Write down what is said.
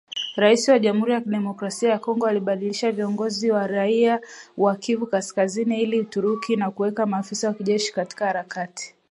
Rais wa Jamhuri ya Kidemokrasia ya Kongo alibadilisha viongozi wa kiraia wa Kivu Kaskazini na Ituri na kuwaweka maafisa wa kijeshi katika harakati